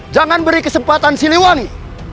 jangan beri kesempatan siliwangi